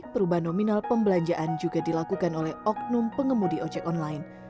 perubahan nominal pembelanjaan juga dilakukan oleh oknum pengemudi ojek online